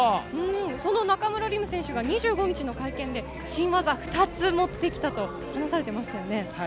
中村輪夢選手が２５日の会見で新技２つ持ってきたと話されていましたね。